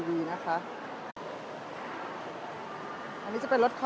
เดี๋ยวจะให้ดูว่าค่ายมิซูบิชิเป็นอะไรนะคะ